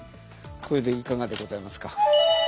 これでいかがでございますか？